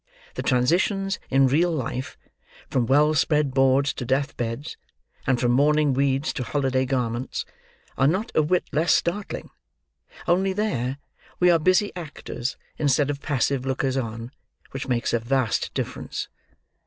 The transitions in real life from well spread boards to death beds, and from mourning weeds to holiday garments, are not a whit less startling; only, there, we are busy actors, instead of passive lookers on, which makes a vast difference.